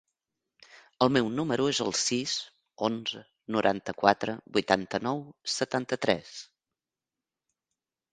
El meu número es el sis, onze, noranta-quatre, vuitanta-nou, setanta-tres.